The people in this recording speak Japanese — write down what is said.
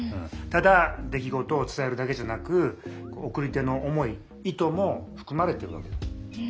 ただ出来事を伝えるだけじゃなく送り手の思い意図も含まれてるわけだ。